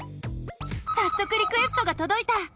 さっそくリクエストがとどいた！